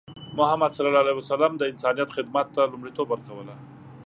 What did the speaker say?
محمد صلى الله عليه وسلم د انسانیت خدمت ته لومړیتوب ورکوله.